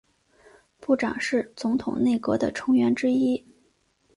部长是总统内阁的成员之一。